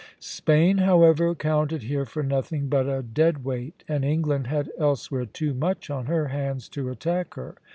Spain, however, counted here for nothing but a dead weight; and England had elsewhere too much on her hands to attack her.